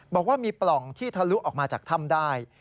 บอกว่ามีปล่องที่ทะลุออกมาจากถ้ำได้